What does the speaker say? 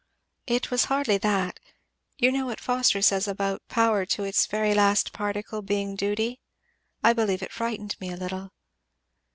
"It was hardly that. You know what Foster says about 'power to its very last particle being duty' I believe it frightened me a little."